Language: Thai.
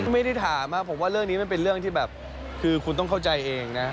ไม่ได้ถามผมว่าเรื่องนี้มันเป็นเรื่องที่แบบคือคุณต้องเข้าใจเองนะ